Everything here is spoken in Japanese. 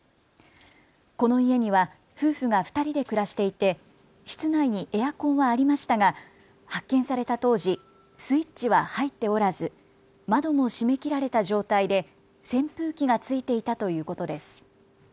この家には夫婦が２人で暮らしていて室内にエアコンはありましたが発見された当時、スイッチは入っておらず窓も閉めきられた状態で扇風機がついていたということです。